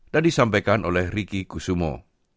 dan disampaikan oleh ricky kusumo